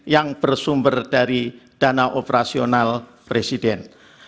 yang bersumber dari dana operasional presiden